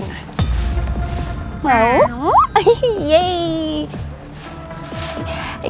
kurang rude kaya lu kaya ah